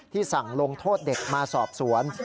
สั่งลงโทษเด็กมาสอบสวน